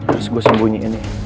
harus gue sembunyiin nih